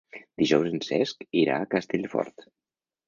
Dijous en Cesc irà a Castellfort.